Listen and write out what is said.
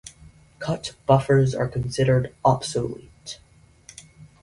Cut buffers are considered obsolete.